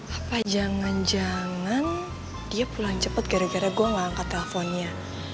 apa jangan jangan dia pulang cepat gara gara gue gak angkat teleponnya